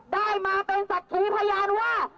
ได้มาเป็นศักดิ์ขีพยานว่า